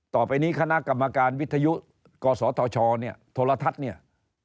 ต่อไปนี้คณะกรรมการวิทยุกศธชเนี่ยโทรทัศน์เนี่ย